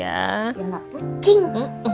ya mak pucing